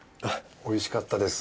おいしかったです。